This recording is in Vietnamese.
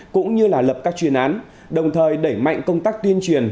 cũng như là lập các chuyên án đồng thời đẩy mạnh công tác tuyên truyền